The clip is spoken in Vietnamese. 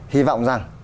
hy vọng rằng